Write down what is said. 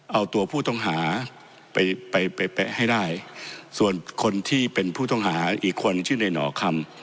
เอาตัวผู้ต้องหาไปไปแปะให้ได้ส่วนคนที่เป็นผู้ต้องหาอีกคนชื่อในหน่อคำ